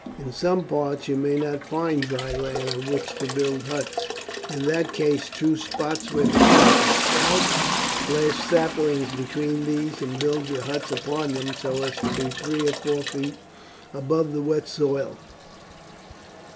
In some parts you may not find dry land on which to build huts; in that case choose spots where the trees are stout, lash saplings between these and build your huts upon them so as to be three or four feet above the wet soil.